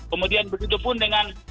kemudian berhubungan dengan